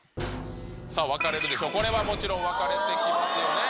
さあ、分かれるでしょう、これはもちろん分かれてきますよね。